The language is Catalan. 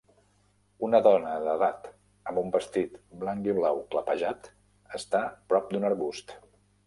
Una dona d'edat amb un vestit blanc i blau clapejat està prop d'un arbust.